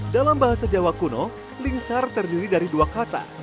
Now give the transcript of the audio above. dalam bahasa jawa kuno lingsar terdiri dari dua kata